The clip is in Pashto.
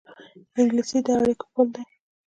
انګلیسي د اړیکو پُل دی